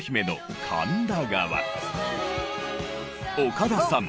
岡田さん